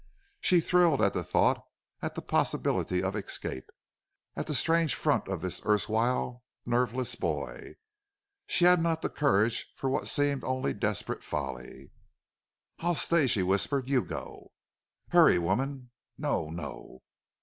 She thrilled at the thought at the possibility of escape at the strange front of this erstwhile nerveless boy. But she had not the courage for what seemed only desperate folly. "I'll stay," she whispered. "You go!" "Hurry, woman!" "No! No!"